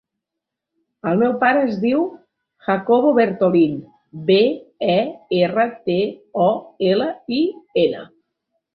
El meu pare es diu Jacobo Bertolin: be, e, erra, te, o, ela, i, ena.